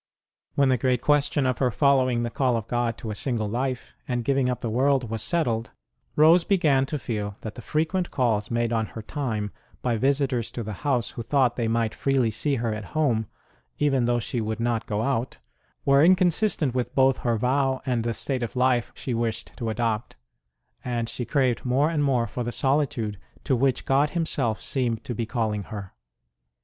When the great question of her following the call of God to a single life, and giving up the world, was settled, Rose began to feel that the frequent calls made on her time by visitors to the house, who thought they might freely see her at home, even though she would not go out, were incon sistent with both her vow and the state of life she wished to adopt ; and she craved more and more for the solitude to which God Himself seemed to be calling her.